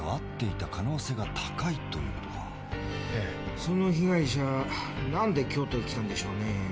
その被害者何で京都へ来たんでしょうね？